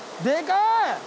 でかい！